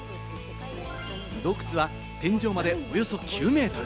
洞窟は天井まで、およそ９ｍ。